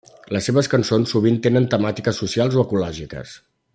Les seves cançons sovint tenen temàtiques socials o ecològiques.